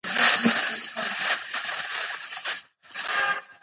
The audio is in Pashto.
ملالۍ د خلکو لپاره د امید یوه نمونه سوه.